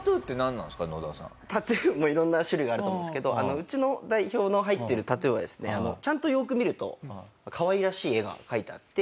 タトゥーも色んな種類があると思うんですけどうちの代表の入ってるタトゥーはですねあのちゃんとよーく見るとかわいらしい絵が描いてあって。